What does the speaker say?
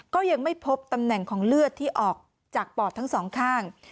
ก็ยังไม่พบตำแหน่งของเลือดที่ออกจากปอดทั้งสองข้าง